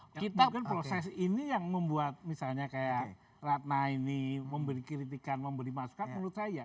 itu kan proses ini yang membuat misalnya kayak ratna ini memberi kritikan memberi masukan menurut saya